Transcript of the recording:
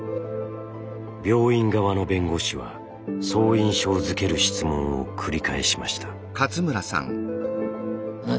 病院側の弁護士はそう印象づける質問を繰り返しました。